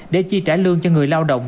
để chi trả lương cho người lao động